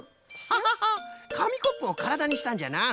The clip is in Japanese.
ハハハッかみコップをからだにしたんじゃな。